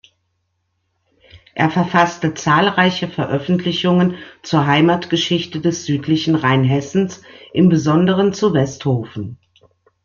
Er verfasste zahlreiche Veröffentlichungen zur Heimatgeschichte des südlichen Rheinhessens, im Besonderen zu Westhofen.